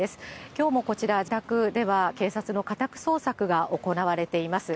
きょうもこちら、自宅では警察の家宅捜索が行われています。